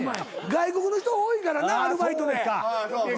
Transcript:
外国の人多いからなアルバイトで。